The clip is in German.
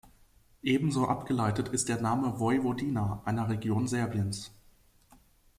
Ebenso abgeleitet ist der Name Vojvodina, einer Region Serbiens.